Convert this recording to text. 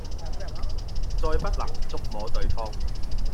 再不能觸摸對方